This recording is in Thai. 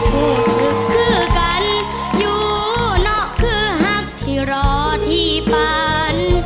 รู้สึกคือกันอยู่เนาะคือหักที่รอที่ปาน